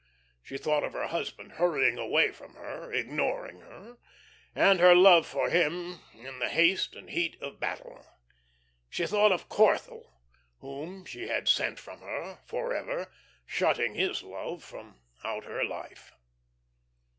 She thought of her husband hurrying away from her, ignoring her, and her love for him in the haste and heat of battle. She thought of Corthell, whom she had sent from her, forever, shutting his love from out her life.